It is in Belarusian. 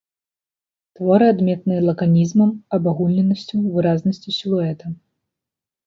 Творы адметныя лаканізмам, абагульненасцю, выразнасцю сілуэта.